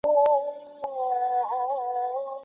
هغه په خپل نامې سره مشهور سو.